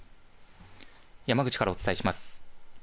山口からお伝えします。